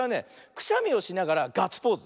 くしゃみをしながらガッツポーズ。